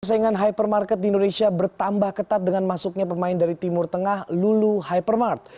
persaingan hypermarket di indonesia bertambah ketat dengan masuknya pemain dari timur tengah lulu hypermart